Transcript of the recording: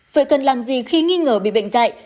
vậy cần làm gì khi nghi ngờ bị bệnh dạy